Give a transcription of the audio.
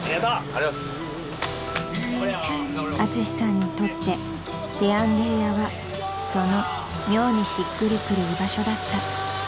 ［アツシさんにとっててやんでぃ屋はその妙にしっくりくる居場所だった］